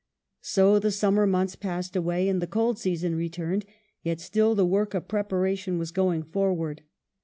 So the summer months passed away and the cold season returned, yet still the work of preparation was going forward.